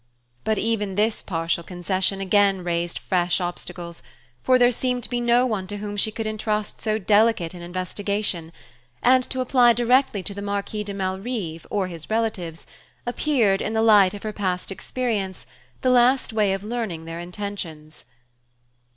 But even this partial concession again raised fresh obstacles; for there seemed to be no one to whom she could entrust so delicate an investigation, and to apply directly to the Marquis de Malrive or his relatives appeared, in the light of her past experience, the last way of learning their intentions.